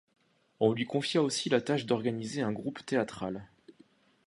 On lui confia aussi la tâche d'organiser un groupe théâtral.